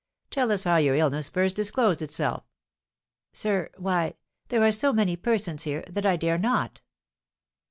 "Tell us how your illness first disclosed itself." "Sir, why, there are so many persons here, that I dare not."